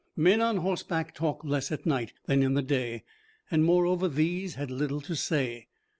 Men on horseback talk less at night than in the day and moreover these had little to say.